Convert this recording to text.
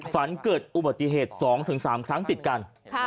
ฝันเกิดอุบัติเหตุ๒๓ครั้งติดกัน